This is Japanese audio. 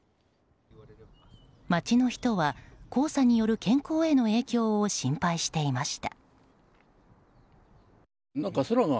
街の人は黄砂による健康への影響を心配していました。